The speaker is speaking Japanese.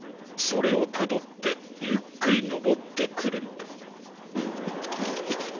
それをたどってゆっくり登ってくるのだ。